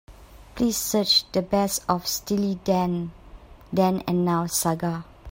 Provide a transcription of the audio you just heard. Please search The Best of Steely Dan: Then and Now saga.